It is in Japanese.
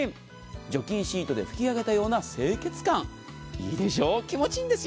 除菌シートで拭き上げたような清潔感、いいでしょう、気持いいんですよ。